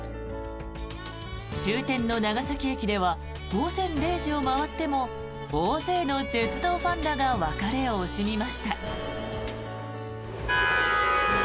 終点の長崎駅では午前０時を回っても大勢の鉄道ファンらが別れを惜しみました。